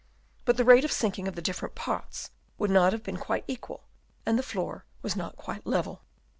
But the rate of sinking of the dif ferent parts would not have been quite equal, and the floor was not quite level.